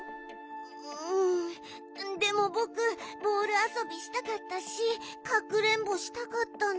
でもぼくボールあそびしたかったしかくれんぼしたかったんだ。